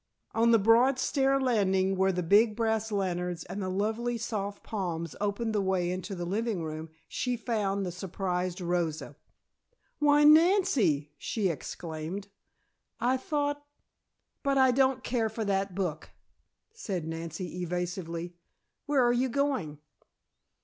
On the broad stair landing, where the big brass lanterns and the lovely soft palms opened the way into the living room, she found the surprised Rosa. "Why, Nancy!" she exclaimed. "I thought " "But I don't care for that book," said Nancy evasively. "Where are you going?"